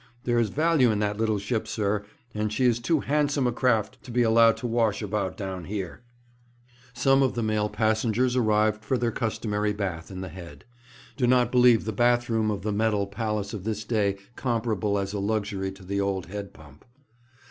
There is value in that little ship, sir, and she is too handsome a craft to be allowed to wash about down here.' Some of the male passengers arrived for their customary bath in the head. Do not believe the bath room of the metal palace of this day comparable as a luxury to the old head pump.